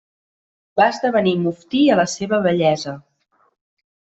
Va esdevenir muftí a la seva vellesa.